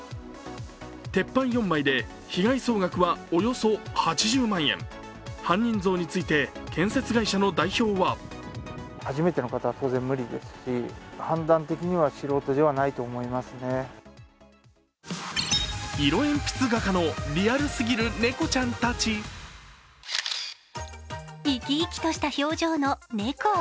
鉄板４枚で被害総額はおよそ８０万円犯人像について、建設会社の代表は生き生きとした表情の猫。